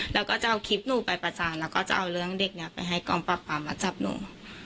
แล้วก็จะเอาคลิปหนูไปประจานแล้วก็จะเอาเรื่องเด็กนี้ไปให้กองปรับปรามมาจับหนู